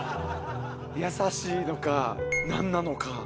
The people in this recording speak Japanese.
優しいのか何なのか。